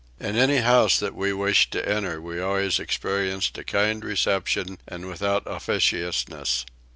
In any house that we wished to enter we always experienced a kind reception and without officiousness.